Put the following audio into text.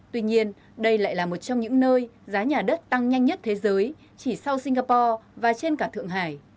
tuy nhiên đây lại là một trong những nơi giá nhà đất tăng nhanh nhất thế giới chỉ sau singapore và trên cả thượng hải